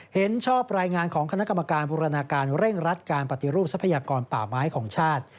เห็นชอบรายงานของคณะกรรมการบูรณาการเร่งรัดการปฏิรูปทรัพยากรป่าไม้ของชาติ